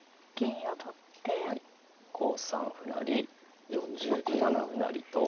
５三歩成６七歩成と。